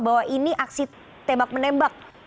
bahwa ini aksi tembak menembak